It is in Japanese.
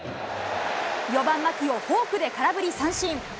４番牧をフォークで空振り三振。